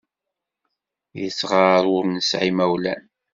Yettɣaḍ w'ur nesɛi imawlan.